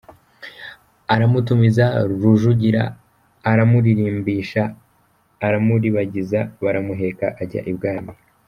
Aramutumiza, Rujugira aramurimbisha aramuribagiza; baramuheka ajya ibwami.